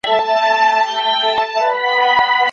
钩足平直蚤为盘肠蚤科平直蚤属的动物。